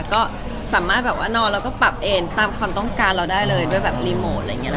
ก็สามารถแบบว่านอนแล้วก็ปรับเอนตามความต้องการเราได้เลยด้วยแบบรีโมทอะไรอย่างนี้